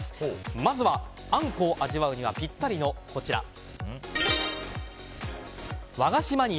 まずは、あんこを味わうにはぴったりの和菓子マニア